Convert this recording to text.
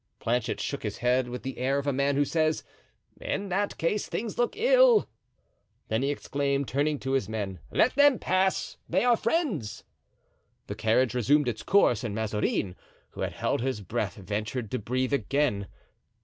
Planchet shook his head with the air of a man who says, "In that case things look ill." Then he exclaimed, turning to his men: "Let them pass; they are friends." The carriage resumed its course, and Mazarin, who had held his breath, ventured to breathe again.